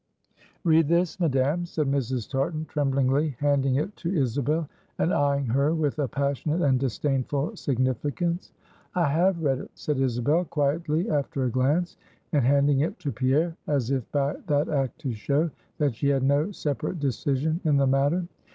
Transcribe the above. "Read this, madam," said Mrs. Tartan, tremblingly handing it to Isabel, and eying her with a passionate and disdainful significance. "I have read it," said Isabel, quietly, after a glance, and handing it to Pierre, as if by that act to show, that she had no separate decision in the matter.